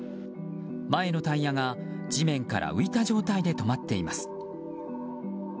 前のタイヤが地面から浮いた状態で止まっています。